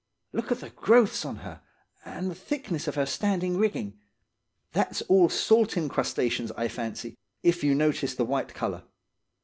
Look at the growths on her, and the thickness of her standing rigging; that's all salt encrustations, I fancy, if you notice the white colour.